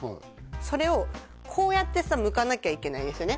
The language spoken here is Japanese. それをこうやってさ向かなきゃいけないですよね